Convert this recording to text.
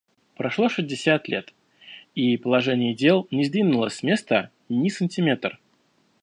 Прошло шестьдесят лет — и положение дел не сдвинулось с места ни сантиметр.